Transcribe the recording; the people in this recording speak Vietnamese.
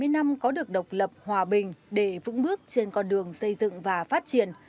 bảy mươi năm có được độc lập hòa bình để vững bước trên con đường xây dựng và phát triển